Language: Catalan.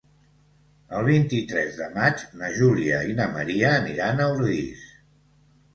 El vint-i-tres de maig na Júlia i na Maria aniran a Ordis.